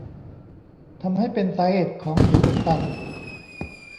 ทำให้เป็นสาเหตุของสิวอุดตัน